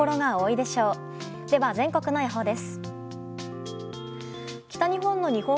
では全国の予報です。